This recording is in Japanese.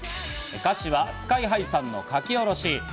歌詞はＳＫＹ−ＨＩさんの描き下ろし。